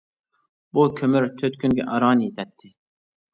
بۇ كۆمۈر تۆت كۈنگە ئاران يېتەتتى.